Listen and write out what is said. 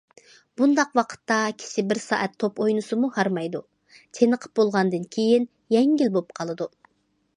بۇنداق ۋاقىتتا كىشى بىر سائەت توپ ئوينىسىمۇ ھارمايدۇ، چېنىقىپ بولغاندىن كېيىن يەڭگىل بولۇپ قالىدۇ.